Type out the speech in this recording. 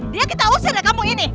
dia kita usir deh kampung ini